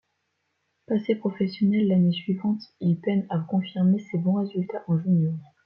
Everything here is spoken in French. Passé professionnel l'année suivante, il peine à confirmer ses bons résultats en junior.